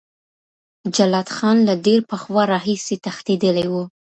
جلات خان له ډیر پخوا راهیسې تښتېدلی و.